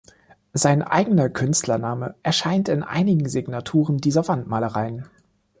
Sein eigener Künstlername erscheint in einigen Signaturen dieser Wandmalereien.